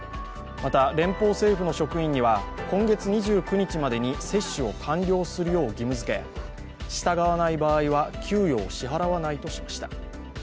また連邦政府の職員には今月２９日までに接種を完了するよう義務づけ従わない場合は給与を支払わないとしました。